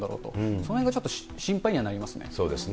そのへんがちょっと心配にはなりますね。